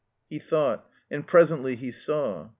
He thought. And presently he saw.